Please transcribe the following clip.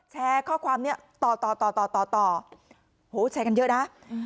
แชร์ข้อความนี้ต่อต่อต่อต่อต่อโหแชร์กันเยอะนะ